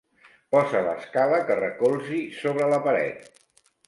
Posa l'escala que recolzi sobre la paret.